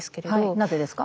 なぜですか？